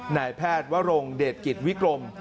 นายแพทย์วรงเดชกิจวิกรม